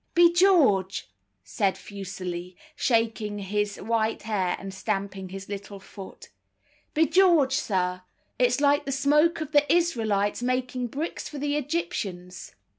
"Be George!" said Fuseli, shaking his white hair and stamping his little foot, "be George! sir, it's like the smoke of the Israelites making bricks for the Egyptians."